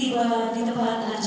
di depan acara